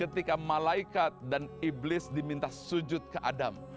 ketika malaikat dan iblis diminta sujud ke adam